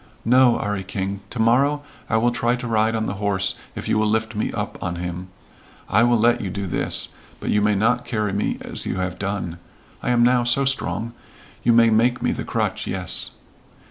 "No, 'Arry King. To morrow I will try to ride on the horse if you will lift me up on him. I will let you do this. But you may not carry me as you have done. I am now so strong. You may make me the crutch, yes."